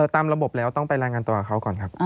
ตามระบบแล้วต้องไปรายงานตัวกับเขาก่อนครับ